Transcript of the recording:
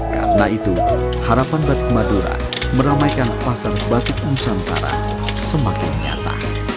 karena itu harapan batik madura meramaikan pasar batik nusantara semakin nyata